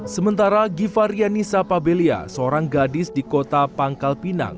sementara givarianisa pabelia seorang gadis di kota pangkal pinang